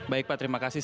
baik pak terima kasih